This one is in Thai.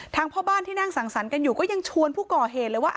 พ่อบ้านที่นั่งสั่งสรรค์กันอยู่ก็ยังชวนผู้ก่อเหตุเลยว่า